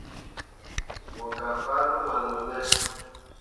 Mo gah fah luma no ne.